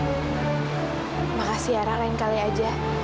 terima kasih yara lain kali saja